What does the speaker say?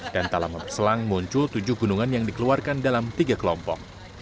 dan dalam berselang muncul tujuh gunungan yang dikeluarkan dalam tiga kelompok